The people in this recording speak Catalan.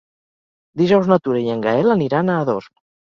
Dijous na Tura i en Gaël aniran a Ador.